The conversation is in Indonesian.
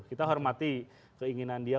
kita hormati keinginan dia